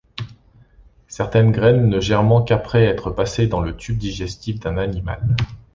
Certaines graines ne germant qu’après être passées dans le tube digestif d’un animal.